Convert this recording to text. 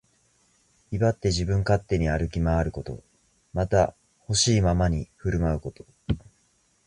威張って自分勝手に歩き回ること。また、ほしいままに振る舞うこと。